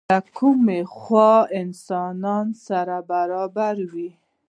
له کومې خوا انسانان سره برابر وو؟